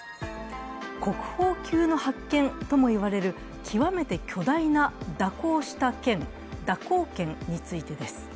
国宝級の発見とも言われる極めて巨大な蛇行した剣、蛇行剣についてです。